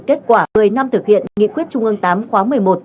kết quả một mươi năm thực hiện nghị quyết trung ương tám khóa một mươi một